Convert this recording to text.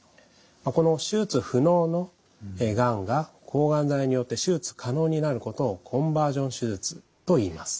この手術不能のがんが抗がん剤によって手術可能になることをコンバージョン手術といいます。